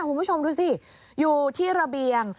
คุณผู้ชมดูสิอยู่ที่ระเบียง